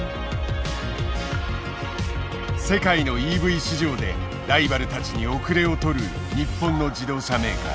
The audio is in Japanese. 世界のＥＶ市場でライバルたちに遅れをとる日本の自動車メーカー。